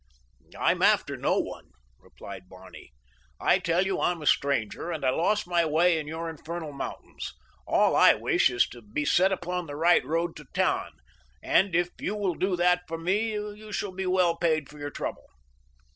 "I'm after no one," replied Barney. "I tell you I'm a stranger, and I lost my way in your infernal mountains. All I wish is to be set upon the right road to Tann, and if you will do that for me you shall be well paid for your trouble."